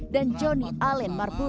dan johnny allen marbun